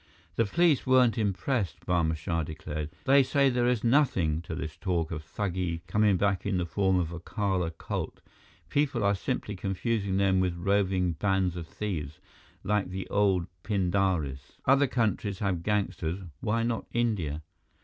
"The police weren't impressed," Barma Shah declared. "They say there is nothing to this talk of thugee coming back in the form of a Kali cult. People are simply confusing them with roving bands of thieves, like the old pindaris. Other countries have gangsters, why not India?"